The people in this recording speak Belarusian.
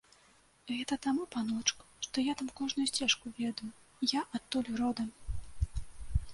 Гэта таму, паночку, што я там кожную сцежку ведаю, я адтуль родам.